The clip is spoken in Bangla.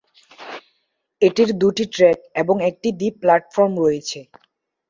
এটির দুটি ট্র্যাক এবং একটি দ্বীপ প্ল্যাটফর্ম রয়েছে।